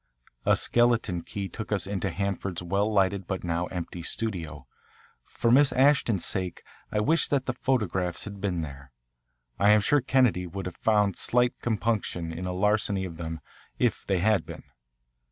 A skeleton key took us into Hanford's well lighted but now empty studio. For Miss Ashton's sake I wished that the photographs had been there. I am sure Kennedy would have found slight compunction in a larceny of them, if they had been.